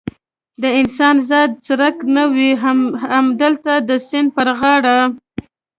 د انسان ذات څرک نه و، همدلته د سیند پر غاړه.